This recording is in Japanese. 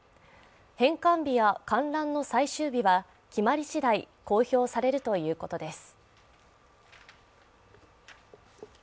返還日や観覧の最終日は決まりしだい公表されるということです。